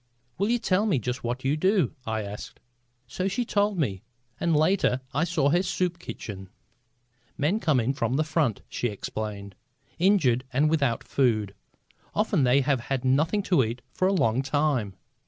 "Will you tell me just what you do?" I asked. So she told me, and later I saw her soup kitchen. "Men come in from the front," she explained, "injured and without food. Often they have had nothing to eat for a long time.